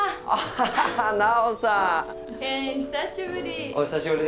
蓮久しぶり。